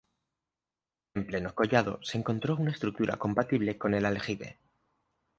En pleno collado se encontró una estructura compatible con el aljibe.